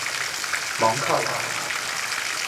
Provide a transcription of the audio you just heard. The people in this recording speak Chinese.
蒙克莱。